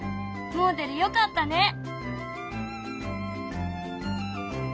もおでるよかったね。